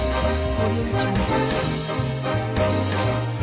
บอกเลยว่าอ่าไม่ถูกหรอก